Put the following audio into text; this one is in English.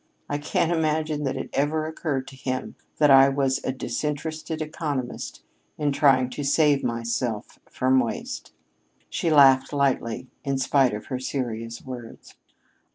I can't imagine that it ever occurred to him that I was a disinterested economist in trying to save myself from waste." She laughed lightly in spite of her serious words.